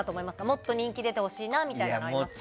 もっと人気出てほしいなみたいのありますか？